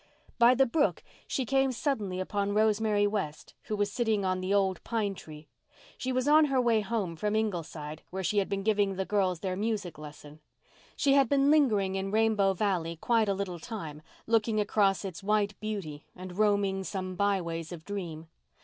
By the brook she came suddenly upon Rosemary West, who was sitting on the old pine tree. She was on her way home from Ingleside, where she had been giving the girls their music lesson. She had been lingering in Rainbow Valley quite a little time, looking across its white beauty and roaming some by ways of dream.